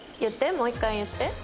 もう１回言って。